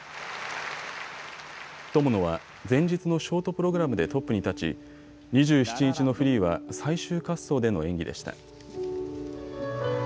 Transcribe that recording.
友野は前日のショートプログラムでトップに立ち、２７日のフリーは最終滑走での演技でした。